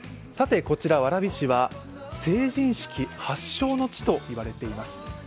こちら蕨市は成人式発祥の地と言われています。